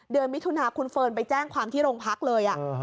มิถุนาคุณเฟิร์นไปแจ้งความที่โรงพักเลย